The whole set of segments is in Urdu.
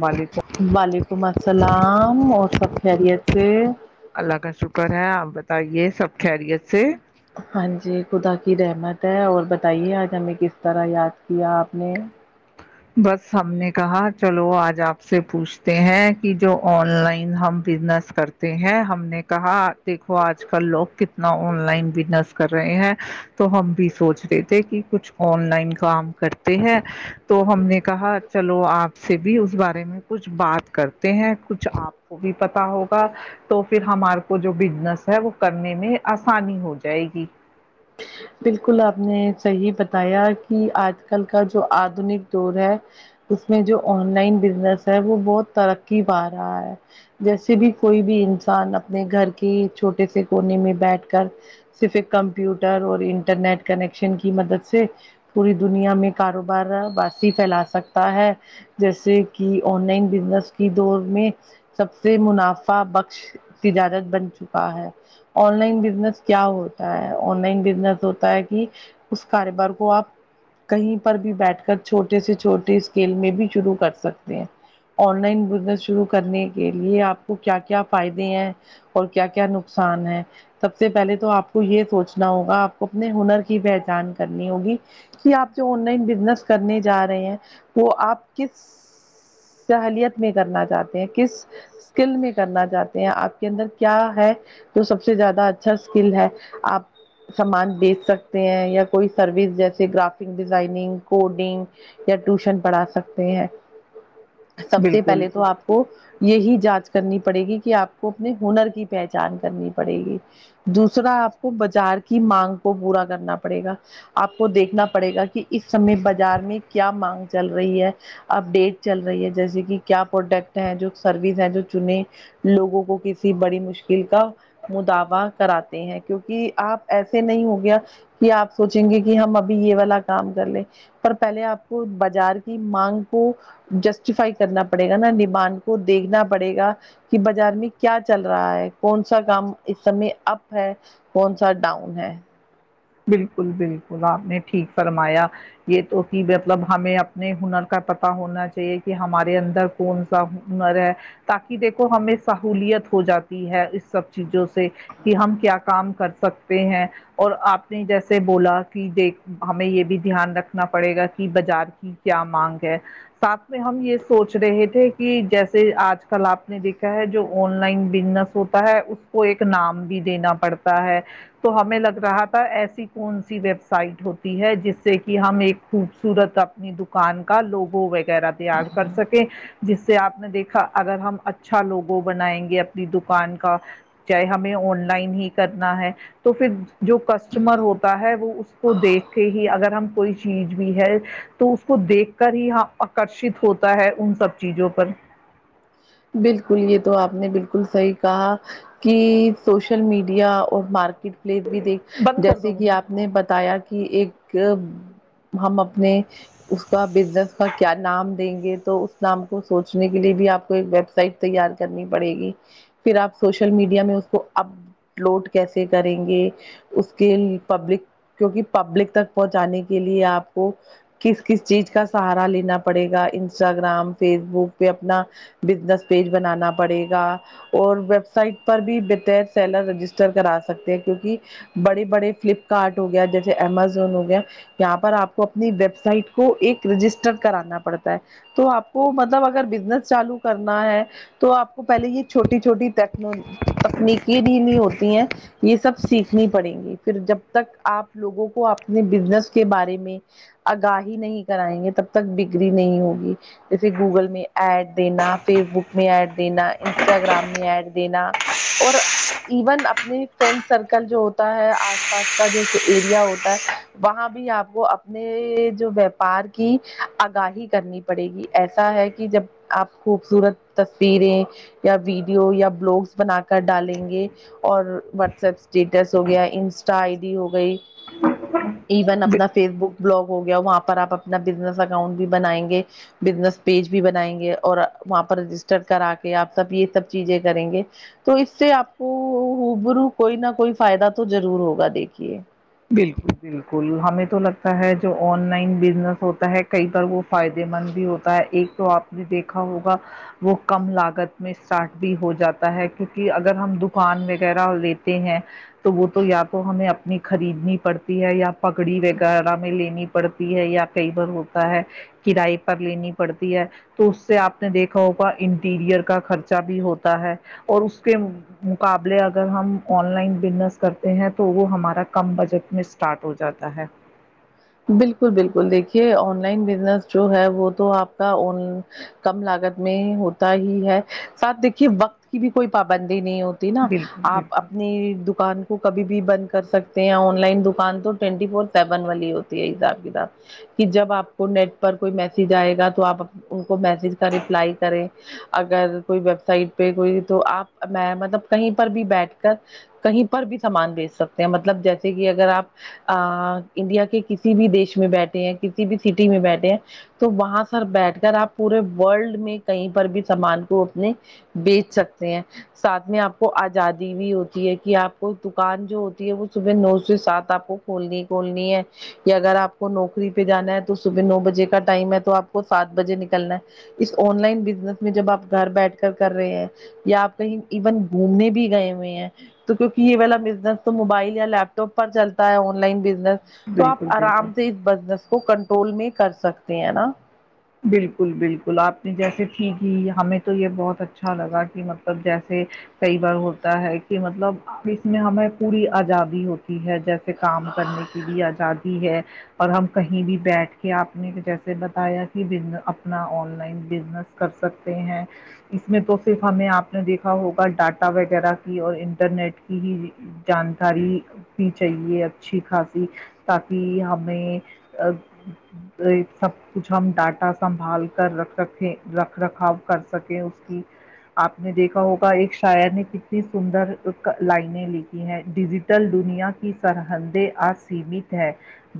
مالی [unintelligible] وعلیکم السلام اور سب خیریت سے اللہ کا شکر ہے آپ بتائیے سب خیریت سے ہاں جی خدا کی رحمت ہے اور بتائیے آج ہمیں کس طرح یاد کیا آپ نے بس ہم نے کہا چلو آج آپ سے پوچھتے ہیں کی جو آن لائن ہم بزنس کر تے ہیں ہم نے کہا دیکھو آج کل لوگ کتنا آن لائن بزنس کر رہے ہیں تو ہم بھی سوچ رہے تھے کی کچھ آن لائن کام کرتے ہیں تو ہم نے کہا چلو آپ سے بھی اس بارے میں کچھ بات کرتے ہیں کچھ آپ کو بھی پتا ہوگا تو فیر ہمار کو جو بزنس ہے وہ کرنے میں آسانی ہو جائے گی بالکل آپ نے صحیح بتایا کی آج کل کا جو آدنک دور ہے اس میں جو آن لائن بزنس ہے وہ بہت ترکی پا رہا ہے جیسے بھی کوئی بھی انسان اپنے گھر کی چھوٹے سے کونے میں بیٹھ کر صرف ایک کمپیوٹر اور انٹرنیٹ کنیکشن کی مدد سے پوری دنیا میں کاروبار بسی فیلا سکتا ہے جیسے کی آن لائن بزنس کی دور میں سب سے منافع بخش تجارت بن چکا ہے آن لائن بزنس کیا ہوتا ہے آن لائن بزنس ہوتا ہے کی اس کاروبار کو آپ کہیں پر بھی بیٹھ کر چھوٹے سے چھوٹے اسکیل میں بھی شروع کر سکتے ہیں آن لائن بزنس شروع کرنے کے لیے آپ کو کیا کیا فائدے ہیں اور کیا کیا نقصان ہے سب سے پہلے تو آپ کو یے سوچ نا ہوگا آپ کو اپنے ہنر کی پہچان کرنی ہوگی کی آپ جو آن لائن بزنس کرنے جا رہے ہیں وہ آپ کس سہلیت میں کرنا چاہتے ہیں کس اسکل میں کرنا چاہتے ہیں آپ کے اندر کیا ہے تو سب سے زیادہ اچھا اسکل ہے آپ سامان بیچ سکتے ہیں یا کوئی سروس جیسے گرافک ڈیزائنیگ کوڈنگ یا ٹیوشن پڑھا سکتے ہیں سب سے بالکل پہلے تو آپ کو یہی جانچ کرنی پڑے گی کہ آپ کو اپنے ہنر کی پہچان کرنی پڑے گی دوسرا آپ کو باجار کی مانگ کو پورا کرنا پڑے گا آپ کو دیکھنا پڑے گا کی اس سمے بازار میں کیا مانگ چل رہی ہے اپڈیٹ چل رہی ہے جیسے کہ کیا پروڈکٹ ہیں جو سروس ہے جو چنے لوگوں کو کسی بڑی مشکل کا موداوہ کراتے ہیں کیونکہ آپ ایسے نہیں ہو گیا کہ آپ سوچیں گے کہ ہم ابھی یہ والا کام کر لیں پر پہلے آپ کو بازار کی مانگ کو جسٹیفائی کرنا پڑے گا نا ڈیمان کو دیکھنا پڑے گا کہ بازار میں کیا چل رہا ہے کون سا کام اس سمے اب ہے کون سا ڈاؤن ہے بلکل بلکل آپ نے ٹھیک فرمایا یہ تو کہ مطلب ہمیں اپنے ہنر کا پتا ہونا چاہیے کہ ہمارے اندر کون سا ہنر ہے تاکہ دیکھو ہمیں سہولیت ہو جاتی ہے اس سب چیزوں سے کہ ہم کیا کام کر سکتے ہیں اور آپ نے جیسے بولا کہ دیک ہمیں یہ بھی دھیان رکھنا پڑے گا کہ بازار کی کیا مانگ ہے ساتھ میں ہم یہ سوچ رہے تھے کہ جیسے آج کل آپ نے دیکھا ہے جو آن لائن بزنس ہوتا ہے اس کو ایک نام بھی دینا پڑتا ہے تو ہمیں لگ رہا ایسی کون سی ویب سائٹ ہوتی ہے جس سے کہ ہم ایک خوبصورت اپ اپنی دکان کا لوبو وغیرہ تیار کر سکیں جس سے آپ نے دیکھا اگر ہم اچھا لوبو بنائیں گے اپنی دکان کا چاہے ہمیں آن لائن ہی کرنا ہے تو پھر جو کسٹمر ہوتا ہے وہ اس کو دیکھ کے ہی اگر ہم کوئی چیز بھی ہے تو اس کو دیکھ کر ہی ہاں آکرشت ہوتا ہے ان سب چیزوں پر بلکل یہ تو آپ نے بلکل صحیح کہا کی شوشل میڈیا اور مارکیٹ پلیز بھی دیکھ بند کر دو جیسے کہ آپ ممی نے بتایا کہ ایک ہم اپنے اپنے اس کا بزنس کا کیا نام دیں گے تو اس نام کو سوچنے کے لیے بھی آپ کو ویب سائٹ تیار کرنی پڑے گی پھر آپ شوشل میڈیا میں اس کو اب لوٹ کیسے کریں گے اس کے پبلک کیونکہ پبلک تک پہنچانے کے لیے آپ کو کس کس چیز کا سہارا لینا پڑے گا انسٹاگرام فیس بک پہ اپنا بزنس پیج بنانا پڑے گا اور ویب سائٹ پر بھی بتیر سیلا رجسٹر کرا سکتے ہیں کیونکہ بڑے بڑے فلپکارٹ ہو گیا جیسے امازون ہو گیا یہاں پر آپ کو اپنی ویب سائٹ کو ایک رجسٹر کرانا پڑتا ہے تو آپ کو مطلب اگر بزنس چالو کرنا ہے تو آپ کو پہلے یہ چھوٹی چھوٹی ٹکنالوجی تکنیکی دینی ہوتی ہیں یہ سب سیکھنی پڑینگی پھر جب تک آپ لوگوں کو اپنے بزنس کے بارے میں آگاہی نہیں کرائیں گے تب تک بگری نہیں ہوگی جیسے گوگل میں ایڈ دینا فیس بک میں ایڈ دینا انسٹاگرام میں ایڈ دینا اور ایون اپنے فرینڈ سرکل جو ہوتا ہے آس پاس کا جو ایریا ہوتا ہے وہاں بھی آپ کو اپنے جو ویپر کی آگاہی کرنی پڑے گی ایسا ہے کہ جب آپ خوبصورت تصویریں یا ویڈیو یا بلاوکس بنا کر ڈالیں گے اور واٹساپ اسٹیٹس ہو گیا انسٹا آئی ڈی ہو گئی ایون اپنا فیس بک بلاک ہو گیا وہاں پر آپ اپنا بزنس اکونٹ بھی بنائیں گے بزنس پیج بھی بنائیں گے اور وہاں پر رجسٹر کرا کے آپ سبھی سب چیزیں کریں گے تو اس سے آپ کو ہبرو کوئی نہ کوئی فائدہ تو ضرور ہوگا دیکھیے بالکل بالکل ہمیں تو لگتا ہے جو آن لائن بزنس ہوتا ہے کئی بار وہ فائدے مند بھی ہوتا ہے ایک تو آپ نے دیکھا ہوگا وہ کم لاگت میں اسٹارٹ بھی ہو جاتا ہے کیونکہ اگر ہم دوکان وغیرہ لیتے ہیں تو وہ تو یا تو ہمیں اپنی خریدنی پڑتی ہے یا پگڑی وغیرہ میں لینی پڑتی ہے یا کئی بار ہوتا ہے کرائے پر لینی پڑتی ہے تو اس سے آپ نے دیکھا ہوگا انٹیریئر کا خرچہ بھی ہوتا ہے اور اس کے مقابلے اگر ہم آن لائن بزنس کرتے ہیں تو وہ ہمارا کم بجٹ میں اسٹارٹ ہو جاتا ہے بالکل بالکل دیکھیے آن لائن بزنس جو ہے وہ تو آپ کا کم لاگت میں ہوتا ہی ہے ساتھ دیکھیے وقت کی بھی کوئی پابندی نہیں ہوتی نا بالکل آپ بالکل اپنے دکان کبھی بھی بند کر سکتے ہیں آن لائن دکان تو ٹوینٹی فور سیون والی ہوتی ہے حساب کتاب کہ جب آپ کو نیٹ پر کوئی میسج آئے گا تو آپ ان کو میسج کر ر پلائی کریں اگر کوئی ویب سائٹ پہ کوئی تو آپ میں مطلب کہیں پر بھی بیٹھ کر کہیں پر بھی سامان بیچ سکتے ہیں مطلب جیسے کہ اگر آپ انڈیا کے کسی بھی دیش میں بیٹھے ہیں کسی بھی سٹی میں بیٹھے ہیں تو وہاں پر بیٹھ کر آپ پورے والڈ میں کہیں پر بھی سامان کو اپنے بیچ سکتے ہیں ساتھ میں آپ کو آزادی بھی ہوتی ہے کہ آپ کو دکان جو ہوتی ہے وہ صبح نو سے سات آپ کو کھولنی کھولنی ہے اگر آپ کو نوکری پہ جانا ہے تو صبح نو بجے کا ٹائم ہے تو آپ کو سات بجے نکلنا ہے اس آن لائن بزنس میں جب آپ گھر بیٹھ کر کر رہے ہیں یا آپ کہیں ایون گھومنے بھی گئے ہوئے ہیں تو کیونکہ یہ والا بزنس تو موبائل یا لیپ ٹاپ پر چلتا ہے آن لائن بزنس تو آپ بالکل بالکل آرام سے اس بزنس کو کنٹرول میں کر سکتے ہیں نا بالکل بالکل آپ نے جیسے سیکھیی ہمیں تو یہ بہت اچھا لگا کہ مطلب جیسے کئی بار ہوتا ہے کہ مطلب اس میں ہمیں پوری آزادی ہوتی ہے جیسے سے کام کرنے کی بھی آزادی ہے اور ہم کہیں بھی بیٹھ کے آپ نے جیسے بتایا ہی بزنس اپنا آن لائن بزنس کر سکتے ہیں اس میں تو صرف ہمیں آپ نے دیکھا ہوگا ڈاٹا وغیرہ کی اور انٹرنیٹ کی ہی جانکاری بھی چاہیے اچھی خاصی تاکہ ہمیں سب کچھ ہم ڈاٹا سنبھال کر رکھ رکھیں رکھ رکھاؤ کر سکیں اس کی آپ نے دیکھا ہوگا ایک شاعر نے کتنی سندر لائن لکھی ہیں ڈیزٹ کل دنیا کی سرحندیں آج سیمت ہیں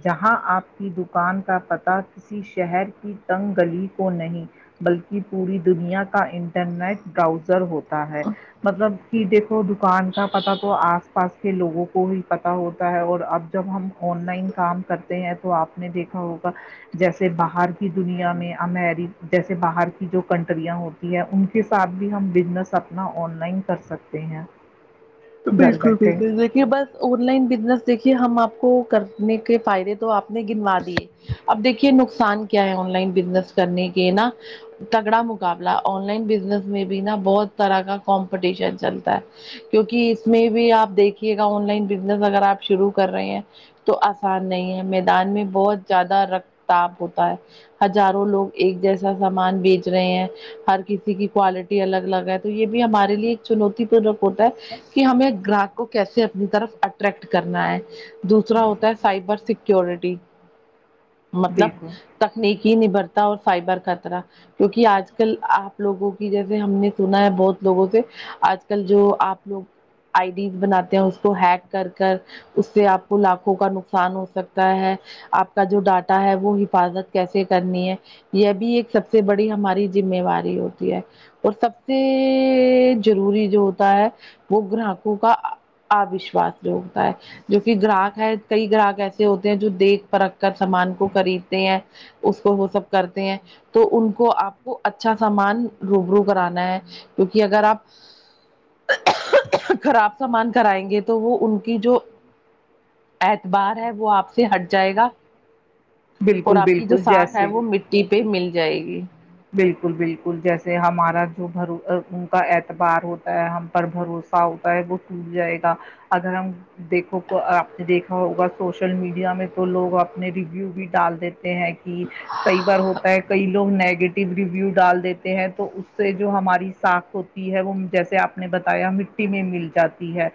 جہاں آپ کی دکان کا پتہ کسی شہر کی تنگ گلی کو نہیں بلکہ پوری دنیا کا انٹرنیٹ براؤزر ہوتا ہے مطلب کہ دیکھو دکان کا پتا تو آس پاس کے لوگوں کو ہی پتا ہوتا ہے اور اب جب ہم آن لائن کام کرتے ہیں تو آپ نے دیکھا ہوگا جیسے باہر کی دنیا میں امیر جیسے باہر کی جو کنٹریاں ہوتی ہیں ان کی کے ساتھ بھی ہم بزنس اپنا آن لائن کر سکتے ہیں تو گھر بالکل بیٹھے بالکل بس آن لائن بزنس دیکھیے ہم آپ کو کرنے کے فائدے تو آپ نے گنوا اب دیکھیے نقصان کیا ہے آن لائن بزنس کرنے کے نا تگڑا مقابلہ آن لائن بزنس میں بھی نا بہت طرح کا کمپٹیشن چلتا ہے کیونکہ اس میں بھی آپ دیکھیے گا آن لائن بزنس اگر آپ شروع کر رہے ہیں تو آسان نہیں ہے میدان میں بہت زیادہ رکتاب ہوتا ہے ہزاروں لوگ ایک جیسا سامان بیچ رہے ہیں ہر کسی کی کوالٹی الگ الگ ہے تو یہ بھی ہمارے لیے ایک چنوتی پورک ہوتا ہے ہمیں گراہک کو کیسے اپنی طرف اٹریکٹ کرنا ہے دوسرا ہوتا ہے سائبر سیکورٹی مطلب بالکل تکنیکی نبھرتا اور فائبر خطرہ کیونکہ آج کل آپ لوگوں کی جیسے ہم نے سنا ہے بہت لوگوں سے آج کل جو آپ لوگ آئی ڈیز بناتے ہیں اس کو ہیک کر کر اس سے آپ کو لاکھوں کا نقصان ہو سکتا ہے آپ کا جو ڈاٹا ہے وہ حفاظت کیسے کرنی ہے یہ بھی ایک سب سے بڑی ہماری ذمہواری ہوتی ہے اور سب سے ضروری جو ہوتا ہے وہ گراہکوں کا اوشواس ہوتا ہے جو کہ گراہک ہے کئی گراہک ایسے ہوتے ہیں جو دیکھ پرکھ کر سامان کو خریدتے ہیں اس کو وہ سب کرتے ہیں تو ان کو آپ کو اچھا سامان روبرو کرانا ہے کیونکہ اگر آپ خراب سامان کرائیں گے تو وہ ان کی جو اعتبار ہے وہ آپ سے ہٹ جائے گا اور بالکل آپ بالکل ساکھ ہے جیسے وہ مٹی پہ مل جائے گی بالکل بالکل جیسے ہمارا جو ان کا اعتبار ہوتا ہے ہم پر بھروسہ ہوتا ہے وہ ٹوٹ جائے گا اگر ہم دیکھو آپ نے دیکھا ہوگا سوشل میڈیا میں تو لوگ اپنے ریویو بھی ڈال دیتے ہیں کہ کئی بار ہوتا ہے کئی لوگ نیگیٹو ریویو ڈال دیتے ہیں تو اس سے جو ہماری ساکھ ہوتی ہے وہ جیسے آپ نے بتایا مثی میں مل جاتی ہے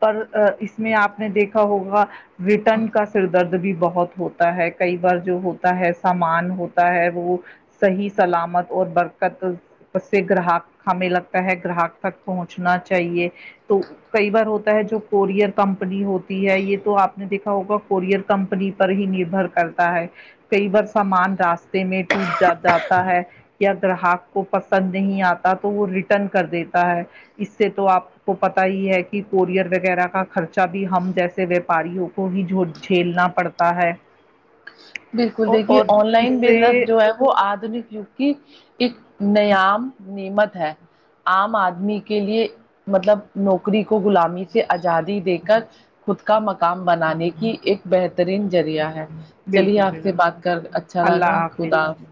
پر اس میں آپ نے دیکھا ہوگا رٹن کا سردرد بھی بہت ہوتا ہے کئی بار جو ہوتا ہے سامان ہوتا ہے وہ صحیح سلامت اور برکت اسس سے گراہک ہمیں لگتا ہے گراہک تک پہنچنا چاہیے تو کئی بار ہوتا ہے جو کورئیر کمپنی ہوتی ہے یہ تو آپ نے دیکھا ہوگا کوریئیر کمپنی پر ہی نربھر کرتا ہے کئی بار سامان راستے میں ٹوٹ جاتا ہے یا گراہک کو پسند نہیں آتا تو وہ ریٹرن کر دیتا ہے اس سے تو آپ کو پتا ہی ہے کہ کورئر وغیرہ کا خرچہ بھی ہم جیسے ویاپاروں کو ہی جھیلنا پڑتا ہے بالکل دیکھیے اور آن اس لائن سے بزنس جو ہے وہ آدمی کیونکہ ایک نیام نعمت ہے عام آدمی کے لیے مطلب نوکری کو غلامی سے آزادی دے کر خود کا مقام بنانے کی ایک بہترین ذریعہ ہے چلیے بالکل آپ سے بالکل بات کر اچھا لگا خدا حافظ